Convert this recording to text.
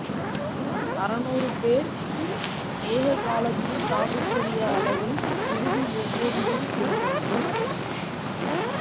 அறுநூறு பேர் ஏககாலத்தில் தங்கக்கூடிய அளவில் விடுதி ஒவ்வொன்றும் இருந்தது.